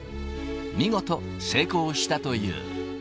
見事、成功したという。